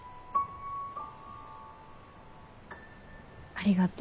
ありがと。